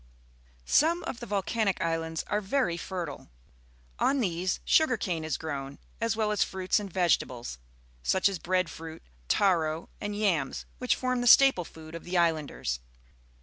Some of the volcanic islands are very fertile. On these sugar cane is grown, as well as fruits and vege tables, such as bread fruit, taro, and yams, which form the staple food of the islanders.